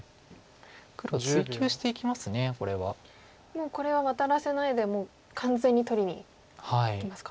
もうこれはワタらせないで完全に取りにいきますか。